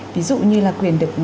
ví dụ như là quyền được